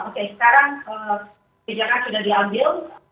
oke sekarang kebijakan sudah diambil